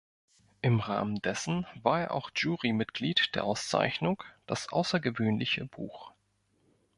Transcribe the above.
Im Rahmen dessen war er auch Jurymitglied der Auszeichnung "Das außergewöhnliche Buch".